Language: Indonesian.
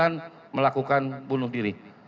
yang bersangkutan melakukan bunuh diri